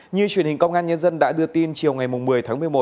như truyền hình công an nhân dân đã đưa tin chiều ngày một mươi tháng một mươi một